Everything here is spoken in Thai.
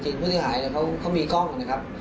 ทางผู้ที่หายเขามีกล้องนะครับ